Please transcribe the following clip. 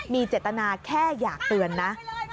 มีเจตนาแค่อยากเตือนนะ